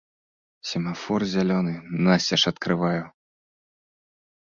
Семафор зялёны насцеж адкрываю.